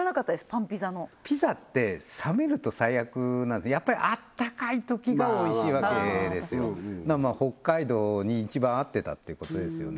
パンピザのピザって冷めると最悪なんでやっぱりあったかいときがおいしいわけですよだから北海道に一番合ってたってことですよね